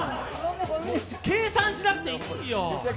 計算しなくていいよ。